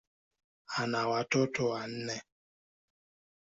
Ana watoto wanne.